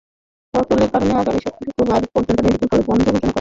ফাটলের কারণে আগামী শুক্রবার পর্যন্ত মেডিকেল কলেজ বন্ধ ঘোষণা করা হয়েছে।